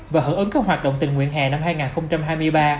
và hợp ứng các hoạt động tình nguyện hè năm hai nghìn hai mươi ba